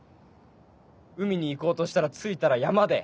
海に行こうとしたら着いたら山で。